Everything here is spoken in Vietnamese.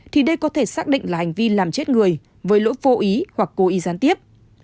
thì đây có thể xác định là hành vi làm chết người với lỗi vô ý hoặc cố ý gián tiếp